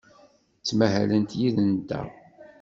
Ttmahalent yid-nteɣ.